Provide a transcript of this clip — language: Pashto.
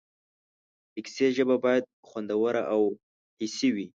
د کیسې ژبه باید خوندوره او حسي وي.